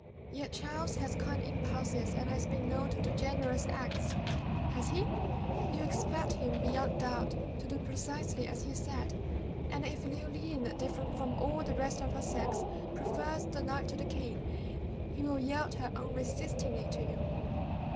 "Yet Charles has kind impulses, and has been known to do generous acts." "Has he? You expect him, beyond doubt, to do precisely as he said; and if Leoline, different from all the rest of her sex, prefers the knight to the king, he will yield her unresistingly to you."